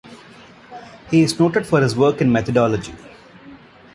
He is noted for his work in methodology.